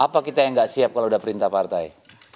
apa kita yang nggak siap kalau udah perintah partai